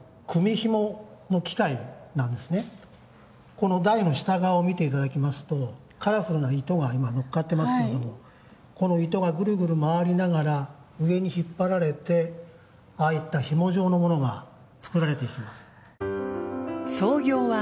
この台の下側を見ていただきますとカラフルな糸が今乗っかってますけれどもこの糸がぐるぐる回りながら上に引っ張られてああいったひも状のものが作られていきます。